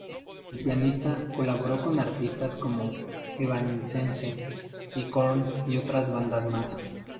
Es pianista, colaboró con artistas como Evanescence y Korn y otras bandas más.